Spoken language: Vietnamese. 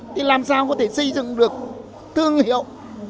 thì làm sao có thể xây dựng được thương hiệu